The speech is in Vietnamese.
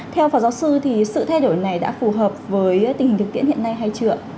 theo phó giáo sư thì sự thay đổi này đã phù hợp với tình hình thực tiễn hiện nay hay chưa